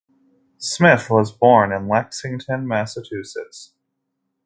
Smith was born in Lexington, Massachusetts.